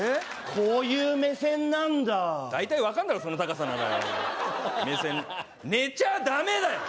こういう目線なんだ大体分かんだろその高さならよ目線寝ちゃダメだよ！